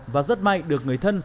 và rất may được người thân